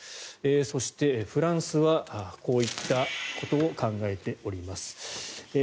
そして、フランスはこういったことを考えています。